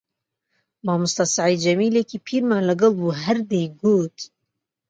مامۆستا سەعید جەمیلێکی پیرمان لەگەڵ بوو هەر دەیگوت: